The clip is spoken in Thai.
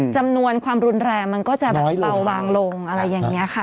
จำนวนความรุนแรงมันก็จะแบบเบาบางลงอะไรอย่างนี้ค่ะ